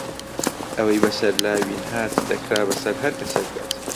ئەوەی بەسەر لاوین هات، دەکرا بەسەر هەر کەسێک بێت.